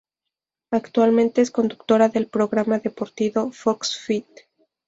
Actualmente es conductora del programa deportivo Fox Fit.